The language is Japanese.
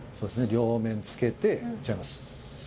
両面つけていっちゃいます。